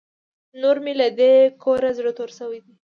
نور مې له دې کوره زړه تور شوی دی.